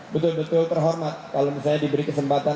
betul betul terhormat kalau misalnya diberi kesempatan